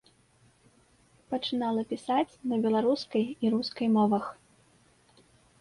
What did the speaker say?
Пачынала пісаць на беларускай і рускай мовах.